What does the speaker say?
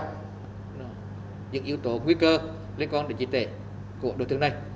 những yếu tố nguy cơ lên con định trị tệ của đối tượng này